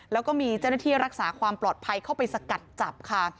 แล้วก็มีเจ้าหน้าที่รักษาความปลอดภัยเข้าไปสกัดจับค่ะ